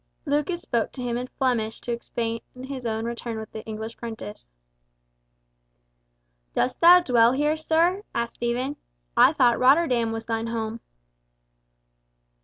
Lucas spoke to him in Flemish to explain his own return with the English prentice. "Dost thou dwell here, sir?" asked Stephen. "I thought Rotterdam was thine home."